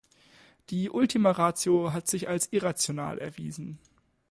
Die ultima ratio hat sich als irrational erwiesen.